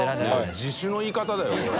自首の言い方だよこれ。